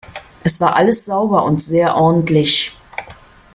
Es war alles sauber und sehr ordentlich!